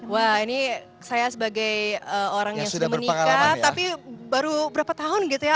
wah ini saya sebagai orang yang sudah menikah tapi baru berapa tahun gitu ya